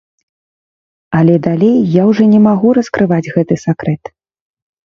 Але далей я ўжо не магу раскрываць гэты сакрэт.